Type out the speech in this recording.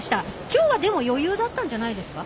今日は、でも余裕だったんじゃないですか。